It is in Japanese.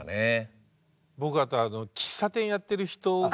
僕は喫茶店やってる人が。